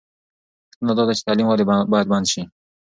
پوښتنه دا ده چې تعلیم ولې باید بند سي؟